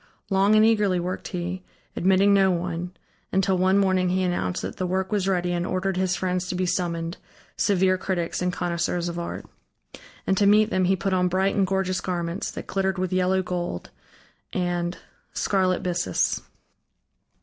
Long and eagerly worked he, admitting no one, until one morning he announced that the work was ready and ordered his friends to be summoned, severe critics and connoisseurs of art. And to meet them he put on bright and gorgeous garments, that glittered with yellow gold and scarlet byssus.